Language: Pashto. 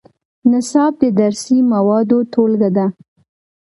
نصاب د درسي موادو ټولګه ده